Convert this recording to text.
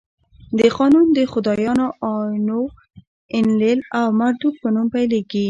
قانون د خدایانو آنو، اینلیل او مردوک په نوم پیلېږي.